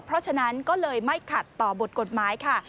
เพราะฉะนั้นก็เลยไม่ขัดต่อบทกฎหมายค่ะ